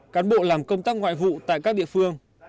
cán bộ làm công tác ngoại vụ tại các địa phương